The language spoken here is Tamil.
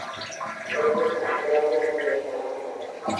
அதற்குத்தான் துறவு என்று பெயர் வழங்கப்பட்டது.